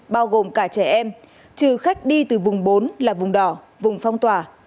bao gồm cả trẻ em trừ khách đi từ vùng bốn là vùng đỏ vùng phong tỏa